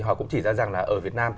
họ cũng chỉ ra rằng ở việt nam